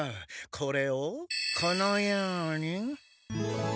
これをこのように。